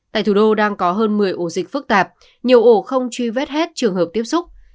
tại thủ đô đang có hơn một mươi ổ dịch phức tạp nhiều ổ không truy vết hết trường hợp tiếp xúc